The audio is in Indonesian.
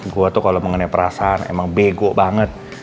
gue tuh kalau mengenai perasaan emang bego banget